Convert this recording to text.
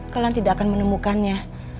kalian tidak akan menemukannya